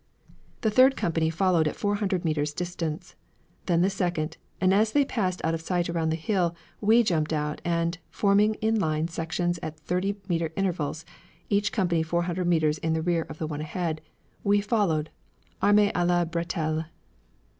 The third company followed at four hundred metres distance, then the second; and as they passed out of sight around the hill, we jumped out, and, forming in line sections at thirty metre intervals, each company four hundred metres in the rear of the one ahead, we followed, arme à la bretelle.